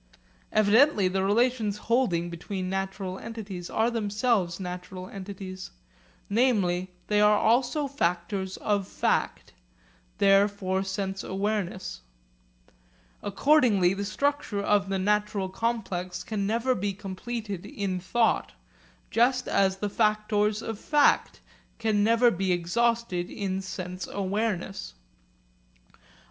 Evidently the relations holding between natural entities are themselves natural entities, namely they are also factors of fact, there for sense awareness. Accordingly the structure of the natural complex can never be completed in thought, just as the factors of fact can never be exhausted in sense awareness.